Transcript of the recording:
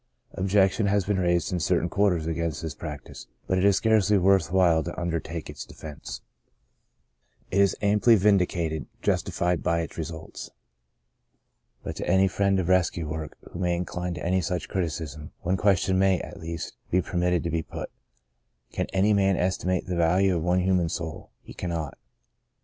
Objection has been raised in certain quarters against this prac tice, but it is scarcely worth while to under take its defense. It is amply vindicated — 20 The Greatest of These justified by results. But to any friend of rescue work who may incline to any such criticism, one question may, at least, be permitted to be put : Can any man estimate the value of one human soul ? He cannot.